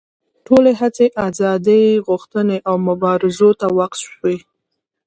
ټولې هڅې ازادي غوښتنې او مبارزو ته وقف شوې.